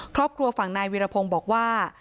ครอบครัวฝั่งนายวิรพงศ์บอกว่า